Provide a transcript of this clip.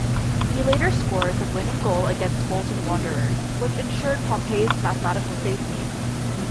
He later scored the winning goal against Bolton Wanderers, which ensured Pompey's mathematical safety.